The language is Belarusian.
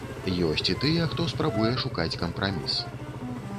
Ёсць і тыя, хто спрабуе шукаць кампраміс.